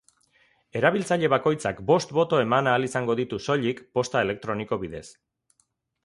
Erabiltzaile bakoitzak bost boto eman ahal izango ditu soilik posta elektroniko bidez.